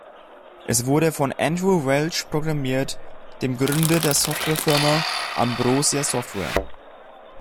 Es wurde von Andrew Welch programmiert, dem Gründer der Software-Firma "Ambrosia Software".